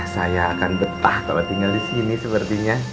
saya akan betah kalo tinggal disini sepertinya